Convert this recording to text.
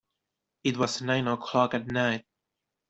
It was nine o'clock at night.